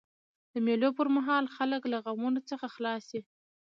د مېلو پر مهال خلک له غمونو څخه خلاص يي.